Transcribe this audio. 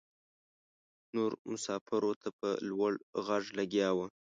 نورو مساپرو ته په لوړ غږ لګیا وه.